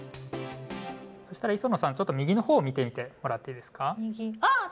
そしたら礒野さん、右のほうを見てみてもらっていいですか。